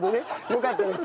よかったです。